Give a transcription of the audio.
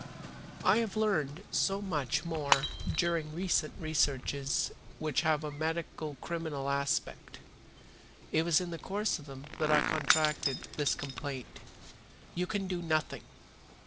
"I have learned so much during some recent researches which have a medico criminal aspect. It was in the course of them that I contracted this complaint. You can do nothing."